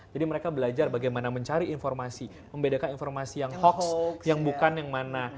jadi mereka belajar bagaimana mencari informasi membedakan informasi yang hoax yang bukan yang mana